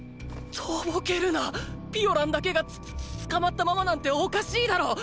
とぼけるなッピオランだけが捕まったままなんておかしいだろ！